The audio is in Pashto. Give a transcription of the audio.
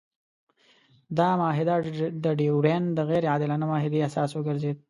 دا معاهده د ډیورنډ د غیر عادلانه معاهدې اساس وګرځېده.